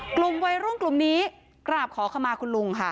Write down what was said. กลุ่มวัยรุ่นกลุ่มนี้กราบขอขมาคุณลุงค่ะ